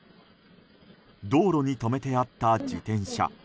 道路に止めてあった自転車。